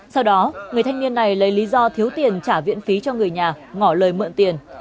sau đó người thanh niên này lấy lý do thiếu tiền trả viện phí cho người nhà ngỏ lời mượn tiền